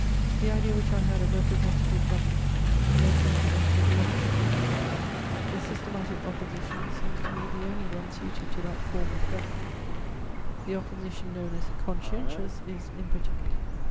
The idea which I had of representative government led me to enter the Opposition: the systematic Opposition seems to me the only one suited to that form of government; the Opposition known as "conscientious" is impotent.